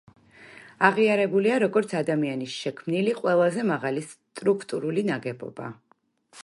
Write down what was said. აღიარებულია როგორც ადამიანის შექმნილი ყველაზე მაღალი სტრუქტურული ნაგებობა.